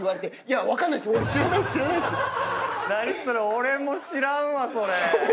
俺も知らんわそれ！